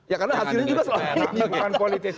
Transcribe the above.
ya karena hasilnya juga selalu ini